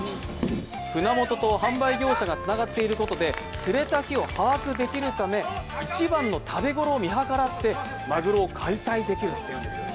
船元と販売業者がつながっているために、釣れた日を把握できるため一番の食べ頃を見計らってマグロを解体できるというんです。